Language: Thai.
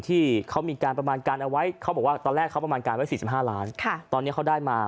ที่เขามีประมาณการเอาไว้